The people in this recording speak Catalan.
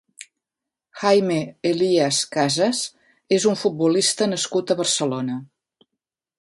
Jaime Elías Casas és un futbolista nascut a Barcelona.